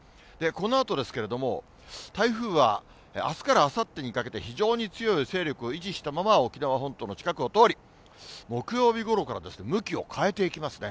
このあとですけれども、台風はあすからあさってにかけて、非常に強い勢力を維持したまま、沖縄本島の近くを通り、木曜日ごろから向きを変えていきますね。